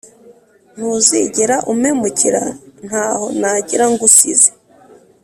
ntuzigera umpemukira, ntaho nagera ngusize